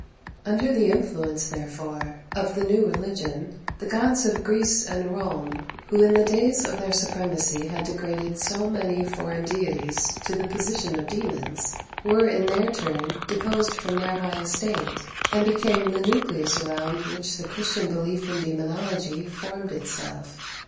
[Footnote 1: I Cor. x. 20.] Under the influence therefore, of the new religion, the gods of Greece and Rome, who in the days of their supremacy had degraded so many foreign deities to the position of daemons, were in their turn deposed from their high estate, and became the nucleus around which the Christian belief in demonology formed itself.